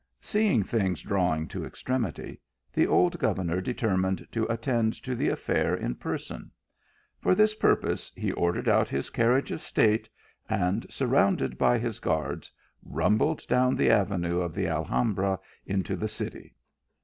Seeing things drawing to an extremity, the old governor determined to attend to the affair in person. For this purpose he ordered out his carriage of state, and, surrounded by his guards, rumbled down the avenue of the Alhambra into the city.